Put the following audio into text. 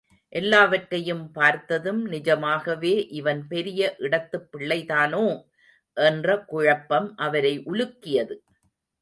எல்லாவற்றையும் பார்த்ததும், நிஜமாகவே இவன் பெரிய இடத்துப் பிள்ளைதானோ? என்ற குழப்பம் அவரை உலுக்கியது.